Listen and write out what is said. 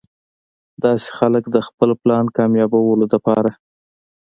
داسې خلک د خپل پلان کاميابولو د پاره